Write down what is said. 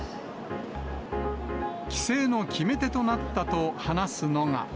帰省の決め手となったと話すのが。